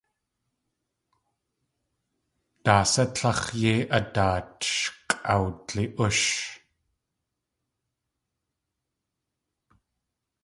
Daa sá tlax̲ yéi a daat sh k̲ʼawdli.úsh?